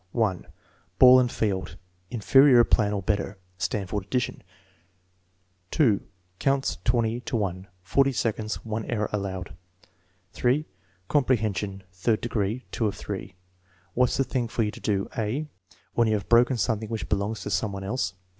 L Ball and field. (Inferior plan or better.) (Stanford addi tion.) 2. Counts 20 to 1. (40 seconds. 1 error allowed.) 3. Comprehension, 3d degree. ( of 3.) "What's the thing for you to do": (a) "When you have broken somctliing which belongs to some one else?